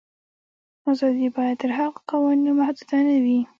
آزادي باید تر هغو قوانینو محدوده نه وي.